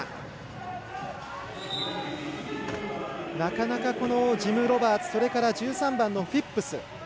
なかなか、ジム・ロバーツそれから１３番のフィップス。